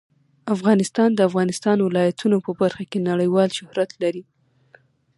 افغانستان د د افغانستان ولايتونه په برخه کې نړیوال شهرت لري.